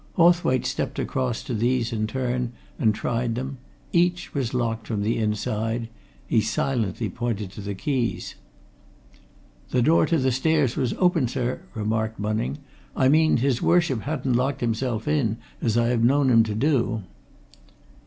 Hawthwaite stepped across to these in turn and tried them; each was locked from the inside; he silently pointed to the keys. "The door to the stairs was open, sir," remarked Bunning. "I mean his Worship hadn't locked himself in, as I have known him do."